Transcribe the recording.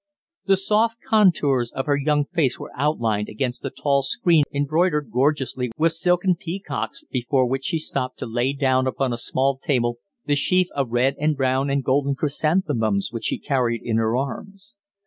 The soft contours of her young face were outlined against a tall screen embroidered gorgeously with silken peacocks, before which she stopped to lay down upon a small table the sheaf of red and brown and golden chrysanthemums which she carried in her arms.